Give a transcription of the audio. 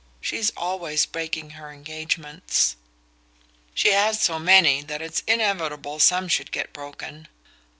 She's always breaking her engagements." "She has so many that it's inevitable some should get broken."